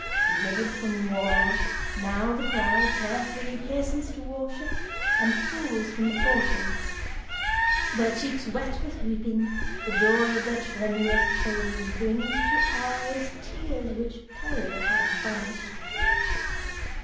Delivered from war, now the crowd, carefree, hastens to worship And pours from the portals. Their cheeks wet with weeping, the joy Of their tremulous souls brings to eyes tears which terror Had banished.